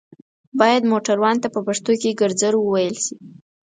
بايد موټروان ته په پښتو کې ګرځر ووئيل شي